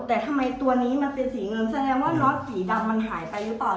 แต่ทำไมตัวนี้มันเป็นสีเงินแสดงว่าน็อตสีดำมันหายไปหรือเปล่า